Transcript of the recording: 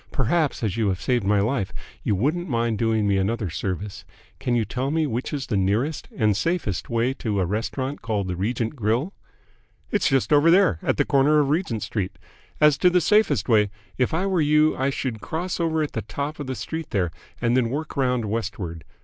Perhaps, as you have saved my life, you wouldn't mind doing me another service. Can you tell me which is the nearest and safest way to a restaurant called the Regent Grill?" "It's just over there, at the corner of Regent Street. As to the safest way, if I were you I should cross over at the top of the street there and then work round westward.